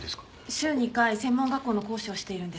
週２回専門学校の講師をしているんです。